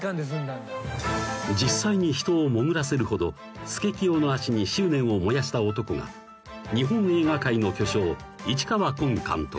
［実際に人を潜らせるほどスケキヨの足に執念を燃やした男が日本映画界の巨匠］